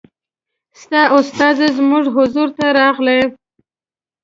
ستا استازی زموږ حضور ته راغی.